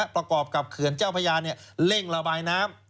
ประกอบกับเขื่อนเจ้าพระยาเร่งระบายน้ำ